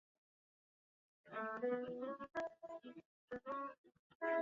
该配乐歌词是由写作。